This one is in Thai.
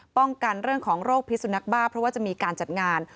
ป้องกันเรื่องของโรคพิสุนักบ้าเพราะว่าจะมีการจัดงาน